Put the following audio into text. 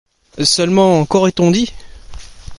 Seulement, qu'aurait-on dit?